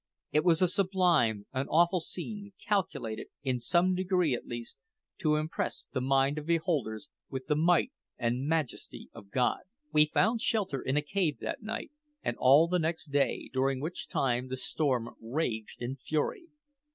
It was a sublime, an awful scene, calculated, in some degree at least, to impress the mind of beholders with the might and majesty of God. We found shelter in a cave that night and all the next day, during which time the storm raged in fury.